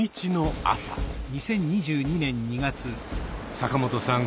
坂本さん